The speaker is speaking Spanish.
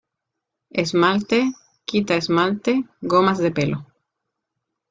esmalte, quita -- esmalte , gomas de pelo.